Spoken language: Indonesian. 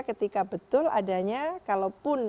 ketika betul adanya kalaupun